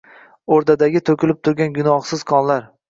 “O’rdadagi to’kilib turgan gunohsiz qonlar